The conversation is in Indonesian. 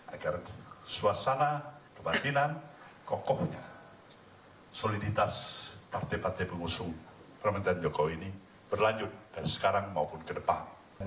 agar suasana kebatinan kokohnya soliditas partai partai pengusung pemerintahan jokowi ini berlanjut dari sekarang maupun ke depan